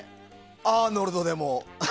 アーノルドでも。